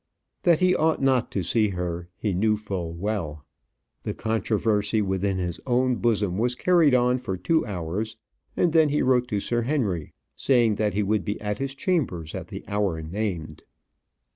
That he ought not to see her, he knew full well. The controversy within his own bosom was carried on for two hours, and then he wrote to Sir Henry, saying that he would be at his chambers at the hour named.